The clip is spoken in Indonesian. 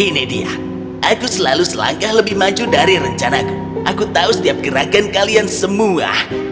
ini dia aku selalu selangkah lebih maju dari rencanaku aku tahu setiap gerakan kalian semua